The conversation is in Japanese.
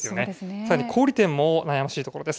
さらに小売店も悩ましいところです。